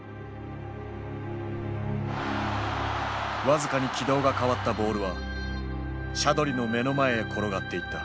僅かに軌道が変わったボールはシャドリの目の前へ転がっていった。